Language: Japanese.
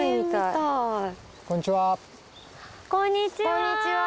こんにちは。